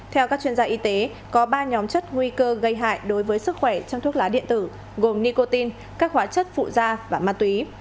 theo các chuyên gia y tế có ba nhóm chất nguy cơ gây hại đối với sức khỏe trong thuốc lá điện tử gồm nicotine các hóa chất phụ da và ma túy